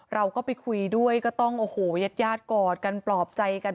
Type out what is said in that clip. เราก็ไปคุยด้วยก็ต้องยาดกอดกันปลอบใจกัน